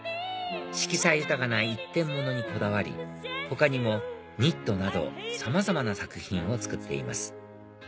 色彩豊かな一点物にこだわり他にもニットなどさまざまな作品を作っています